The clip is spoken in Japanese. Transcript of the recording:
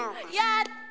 やった！